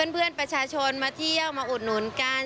เพื่อนประชาชนมาเที่ยวมาอุดหนุนกัน